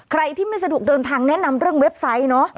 ใครที่ไม่สะดวกเดินทางแนะนำเรื่องเว็บไซต์เนอะ